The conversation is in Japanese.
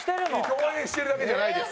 共演してるだけじゃないです。